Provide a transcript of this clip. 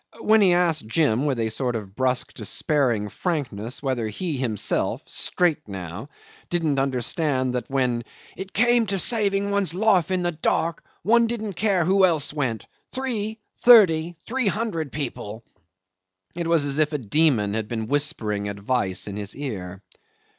When he asked Jim, with a sort of brusque despairing frankness, whether he himself straight now didn't understand that when "it came to saving one's life in the dark, one didn't care who else went three, thirty, three hundred people" it was as if a demon had been whispering advice in his ear.